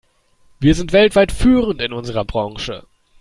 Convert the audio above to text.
Wir sind weltweit führend in unserer Branche.